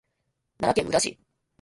奈良県宇陀市